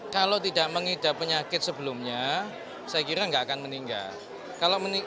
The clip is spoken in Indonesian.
kalau tidak mengidap penyakit sebelumnya saya kira nggak akan meninggal